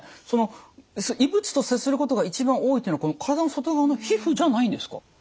その異物と接することが一番多いというのは体の外側の皮膚じゃないんですか？